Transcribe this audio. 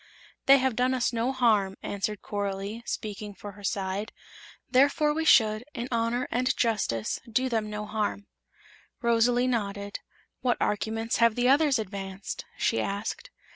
"They have done us no harm," answered Coralie, speaking for her side; "therefore we should, in honor and justice, do them no harm." Rosalie nodded. "What arguments have the others advanced?" she asked.